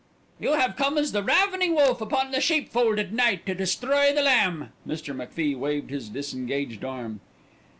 "Ye have come as the ravening wolf upon the sheep fold at night to destroy the lamb." Mr. MacFie waved his disengaged arm.